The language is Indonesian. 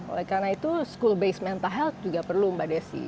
oleh karena itu school based mentah health juga perlu mbak desi